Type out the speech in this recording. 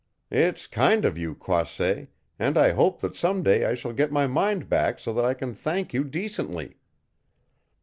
It's kind of you, Croisset, and I hope that some day I shall get my mind back so that I can thank you decently.